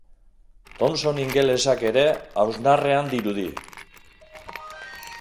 Thompson ingelesak ere hausnarrean dirudi.